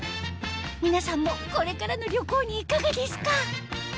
皆さんもこれからの旅行にいかがですか？